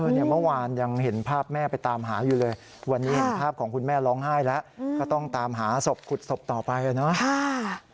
เนี่ยเมื่อวานยังเห็นภาพแม่ไปตามหาอยู่เลยวันนี้เห็นภาพของคุณแม่ร้องไห้แล้วก็ต้องตามหาศพขุดศพต่อไปนะ